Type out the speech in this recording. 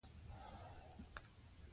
د دوی نوم په پیشلیک کې نه وو لیکل سوی.